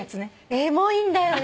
エモいんだよね。